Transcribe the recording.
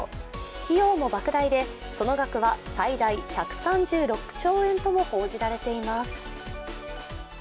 費用もばく大でその額は最大１３６兆円とも報じられています